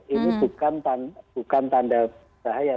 ini bukan tanda bahaya